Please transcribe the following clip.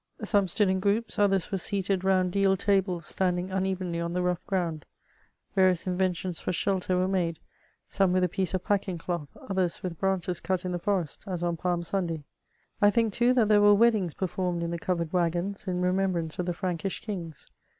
Some stood in groups, others were seated round d^ tables standing un evenly on the rough ground; various inventioDS for shelter were made, some with a piece of packing cloth, others with branches cut in the forest^ as <»i Pidm Sumlay. I think, too, that there were weddings performed in the covered waggons, in remembrance of the Frankish kings.